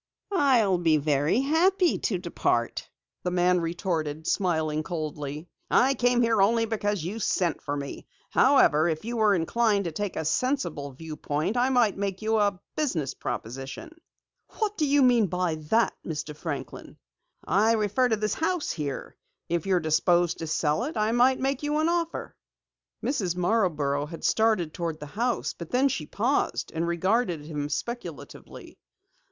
"I'll be very happy to depart," the man retorted, smiling coldly. "I came here only because you sent for me. However, if you were inclined to take a sensible viewpoint, I might make you a business proposition." "What do you mean by that, Mr. Franklin?" "I refer to this house here. If you're disposed to sell it I might make you an offer." Mrs. Marborough had started toward the house, but then she paused and regarded him speculatively.